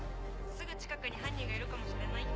すぐ近くに犯人がいるかもしれないって。